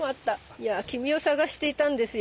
いや君を探していたんですよ。